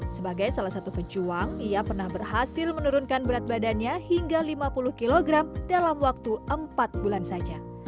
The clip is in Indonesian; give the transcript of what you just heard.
sebagai salah satu pejuang ia pernah berhasil menurunkan berat badannya hingga lima puluh kg dalam waktu empat bulan saja